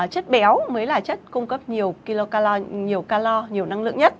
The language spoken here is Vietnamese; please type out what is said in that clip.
chất béo mới là chất cung cấp nhiều kilocalor nhiều calor nhiều năng lượng nhất